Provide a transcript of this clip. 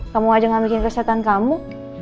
kamu aja gak bikin kesehatan kamu